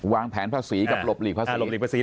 วางแผนภาษีกับหลบหลีกภาษีหลบหลีกภาษี